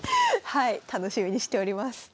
はい楽しみにしております。